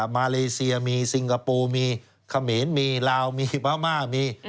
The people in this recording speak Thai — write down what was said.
มาเลเซียมีซิงคโปร์มีเขมรมีลาวมีพม่ามี